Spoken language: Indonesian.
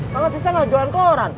kang tisna gak jualan koran